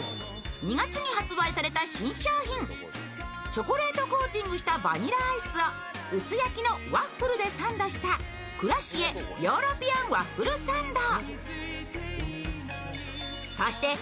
チョコレートコーティングしたバニラアイスを薄焼きのワッフルでサンドしたクラシエヨーロピアンワッフルサンド。